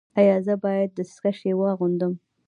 ایا زه باید دستکشې واغوندم؟